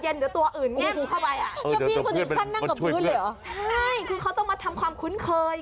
ใช่ก็ต้องทำความคุ้นเผย